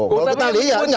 kalau kita lihat nggak